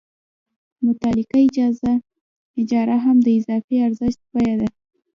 مطلقه اجاره هم د اضافي ارزښت بیه ده